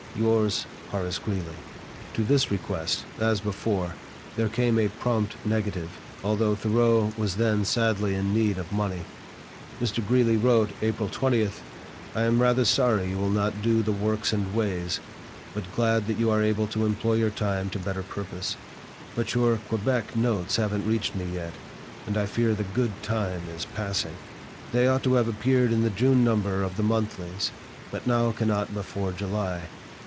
"Yours, "HORACE GREELEY." To this request, as before, there came a prompt negative, although Thoreau was then sadly in need of money. Mr. Greeley wrote, April 20: "I am rather sorry you will not do the 'Works and Ways,' but glad that you are able to employ your time to better purpose. But your Quebec notes haven't reached me yet, and I fear the 'good time' is passing. They ought to have appeared in the June number of the monthlies, but now cannot before July.